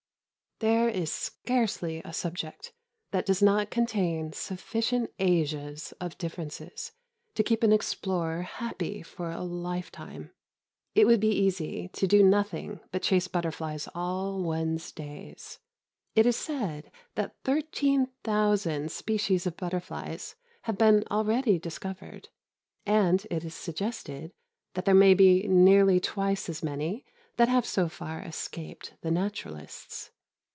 There is scarcely a subject that does not contain sufficient Asias of differences to keep an explorer happy for a lifetime. It would be easy to do nothing but chase butterflies all one's days. It is said that thirteen thousand species of butterflies have been already discovered, and it is suggested that there may be nearly twice as many that have so far escaped the naturalists.